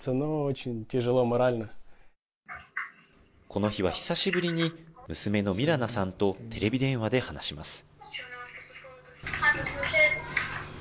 この日は久しぶりに娘のミラナさんとテレビ電話で話します。